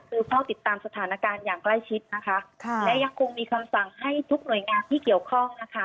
คือเฝ้าติดตามสถานการณ์อย่างใกล้ชิดนะคะค่ะและยังคงมีคำสั่งให้ทุกหน่วยงานที่เกี่ยวข้องนะคะ